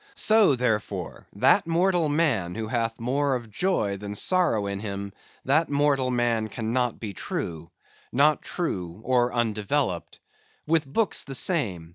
So, therefore, that mortal man who hath more of joy than sorrow in him, that mortal man cannot be true—not true, or undeveloped. With books the same.